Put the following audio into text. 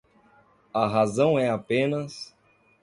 A razão é apenas